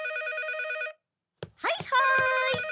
はいはーい！